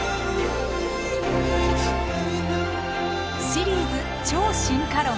シリーズ「超進化論」